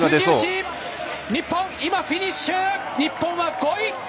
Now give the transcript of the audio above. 日本、今フィニッシュ日本は５位。